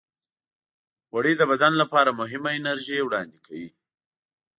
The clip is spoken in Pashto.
غوړې د بدن لپاره مهمه انرژي وړاندې کوي.